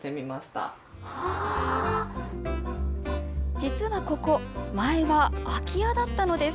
実はここ前は空き家だったのです。